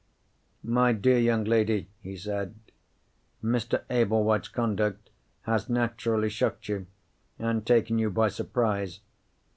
"My dear young lady," he said, "Mr. Ablewhite's conduct has naturally shocked you, and taken you by surprise.